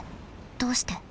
どうして？